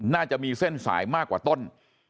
น่าจะมีเส้นสายมากกว่าต้น